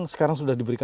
sekarang sudah diberikan